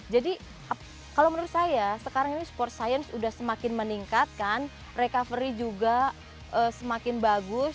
jadi kalau menurut saya sekarang ini sport science udah semakin meningkatkan recovery juga semakin bagus